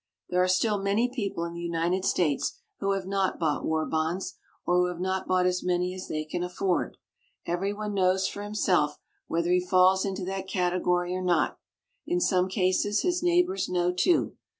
There are still many people in the United States who have not bought war bonds, or who have not bought as many as they can afford. Everyone knows for himself whether he falls into that category or not. In some cases his neighbors know too.